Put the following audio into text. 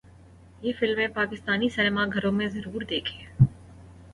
یہ فلمیں پاکستانی سینما گھروں میں ضرور دیکھیں